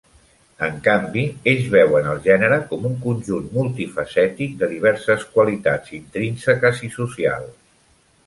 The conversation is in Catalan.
En canvi, ells veuen el gènere com un conjunt multifacètic de diverses qualitats intrínseques i socials.